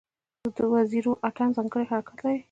د وزیرو اتن ځانګړی حرکت لري.